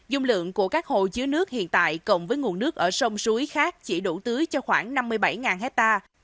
dung lượng của các hồ chứa nước hiện tại cộng với nguồn nước ở sông suối khác chỉ đủ tưới cho khoảng năm mươi bảy hectare